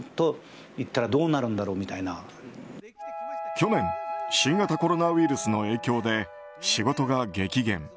去年、新型コロナウイルスの影響で仕事が激減。